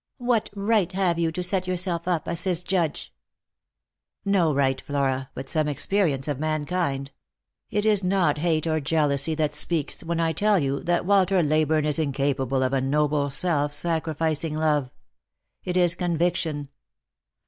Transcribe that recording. "What right have you to set yourself up as his judge ?"" No right, Flora, but some experience of mankind. It is not hate or jealousy that speaks when I tell you that Walter Ley burne is incapable of a noble self sacrificing love. It is convic tion.